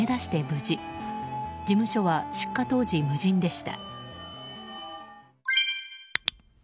事務所は出火当時、無人でした。